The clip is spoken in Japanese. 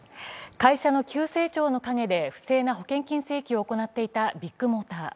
会社の急成長の陰で不正な保険金請求を行っていたビッグモーター。